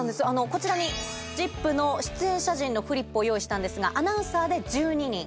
こちらに『ＺＩＰ！』の出演者陣のフリップを用意したんですがアナウンサーで１２人。